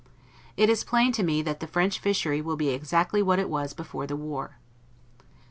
It is plain to me, that the French fishery will be exactly what it was before the war.